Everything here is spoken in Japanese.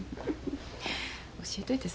教えといて。